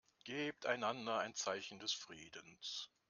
Gebt einander ein Zeichen des Friedens.